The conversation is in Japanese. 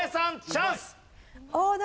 チャンス！